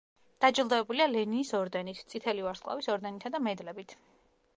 დაჯილდოებულია ლენინის ორდენით, წითელი ვარსკვლავის ორდენითა და მედლებით.